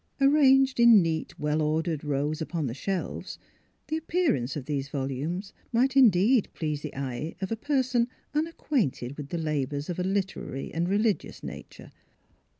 Arranged in neat, well ordered rows upon the shelves, the appearance of these volumes might indeed please the eye of a person unacquainted with labors of a literary and religious nature.